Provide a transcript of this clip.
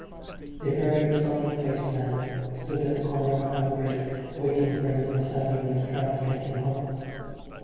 A very sullen faced man stood at the corner of O'Connell Bridge waiting for the little Sandymount tram to take him home.